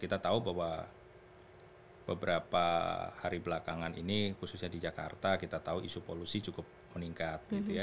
kita tahu bahwa beberapa hari belakangan ini khususnya di jakarta kita tahu isu polusi cukup meningkat